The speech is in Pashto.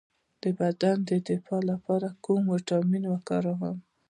د بدن د دفاع لپاره کوم ویټامین وکاروم؟